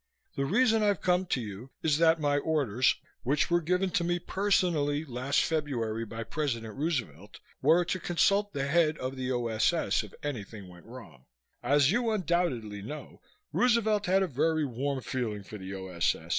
The reason I've come to you, is that my orders, which were given to me personally last February by President Roosevelt, were to consult the head of the O.S.S. if anything went wrong. As you undoubtedly know, Roosevelt had a very warm feeling for the O.S.S.